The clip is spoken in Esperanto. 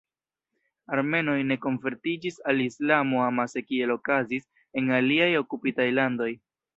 Armenoj ne konvertiĝis al Islamo amase kiel okazis en aliaj okupitaj landoj.